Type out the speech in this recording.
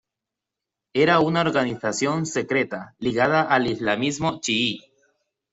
Era una organización secreta ligada al islamismo chií.